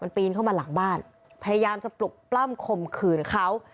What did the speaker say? ปีนเข้ามาหลังบ้านพยายามจะปลุกปล้ำข่มขืนเขา